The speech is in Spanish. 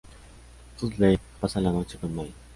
Dudley pasa la noche con Maggie.